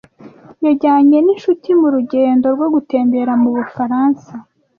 yajyanye n'inshuti mu rugendo rwo gutembera mu Bufaransa